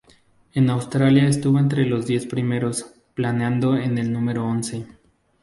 En Australia estuvo entre los diez primeros, planeando en el número once.